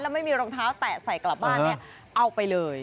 ไม่มีรองเท้าแตะใส่กลับบ้านเนี่ยเอาไปเลย